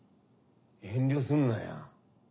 遠慮すんなよ。